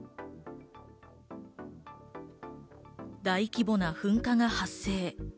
大規模な噴火が発生。